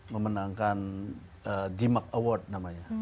memenangkan g mark award namanya